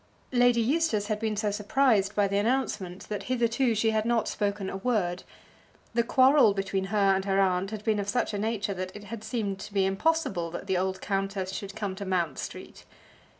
Lady Eustace had been so surprised by the announcement that hitherto she had not spoken a word. The quarrel between her and her aunt had been of such a nature that it had seemed to be impossible that the old countess should come to Mount Street.